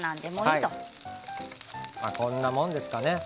こんなもんですかね。